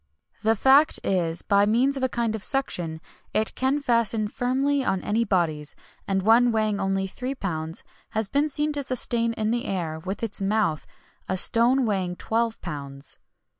[XXI 77] The fact is that, by means of a kind of suction, it can fasten firmly on any bodies; and one weighing only three pounds has been seen to sustain in the air, with its mouth, a stone weighing twelve pounds.